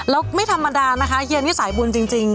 แล้วไม่ธรรมดานะคะเฮียนี่สายบุญจริง